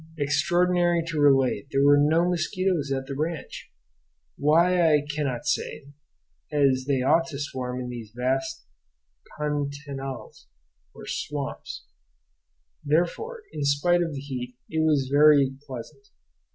Extraordinary to relate, there were no mosquitoes at the ranch; why I cannot say, as they ought to swarm in these vast "pantanals," or swamps. Therefore, in spite of the heat, it was very pleasant.